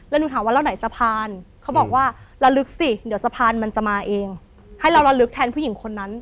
แล้วหนูถามว่าแล้วไหนสะพานเขาบอกว่าระลึกสิเดี๋ยวสะพานมันจะมาเองให้เราระลึกแทนผู้หญิงคนนั้น